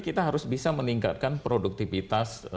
kita harus bisa meningkatkan produktivitas